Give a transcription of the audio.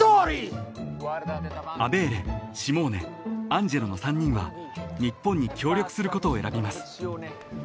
［アベーレシモーネアンジェロの３人は日本に協力することを選びます］